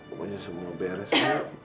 pokoknya semua beres ya